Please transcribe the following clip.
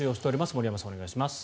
森山さん、お願いします。